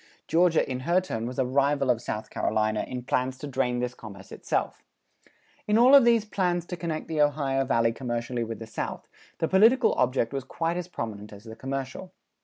Georgia in her turn was a rival of South Carolina in plans to drain this commerce itself. In all of these plans to connect the Ohio Valley commercially with the South, the political object was quite as prominent as the commercial.